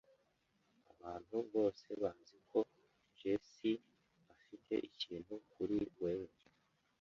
Abantu bose bazi ko Jessie afite ikintu kuri wewe.